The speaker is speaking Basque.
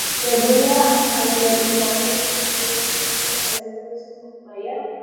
Berdina al da lagun guztiekin duzun adiskidetasun-maila?